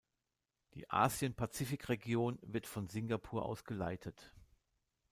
Die Asien-Pazifik-Region wird von Singapur aus geleitet.